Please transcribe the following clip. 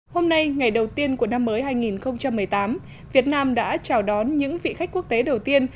hôm nay ngày đầu tiên của năm mới hai nghìn một mươi tám việt nam đã chào đón những vị khách quốc tế đầu tiên